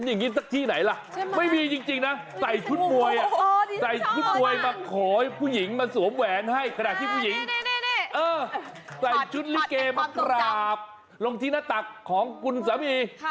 เออใส่ชุดลิเกมากราบลงที่หน้าตักของคุณสามี